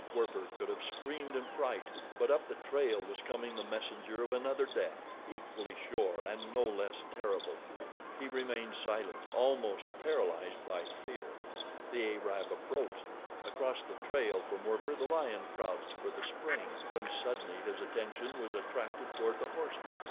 Werper could have screamed in fright, but up the trail was coming the messenger of another death, equally sure and no less terrible. He remained silent, almost paralyzed by fear. The Arab approached. Across the trail from Werper the lion crouched for the spring, when suddenly his attention was attracted toward the horseman.